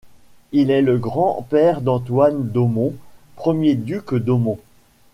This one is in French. Il est le grand-père d'Antoine d'Aumont, premier duc d'Aumont.